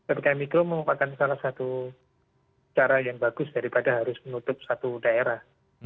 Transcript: ppkm mikro merupakan salah satu cara yang bagus daripada harus menutup satu daerah